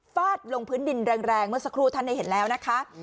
ฟาดลงพื้นดินแรงเมื่อสักครู่ท่านได้เห็นแล้วนะคะ